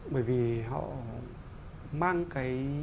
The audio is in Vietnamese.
bởi vì họ mang cái